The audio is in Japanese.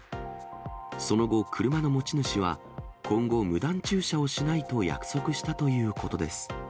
その後、車の持ち主は今後、無断駐車をしないと約束したということです。